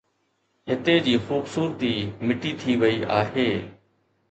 هتي جي خوبصورتي مٽي ٿي وئي آهي